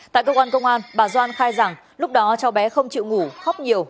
tại cơ quan công an bà doan khai rằng lúc đó cháu bé không chịu ngủ khóc nhiều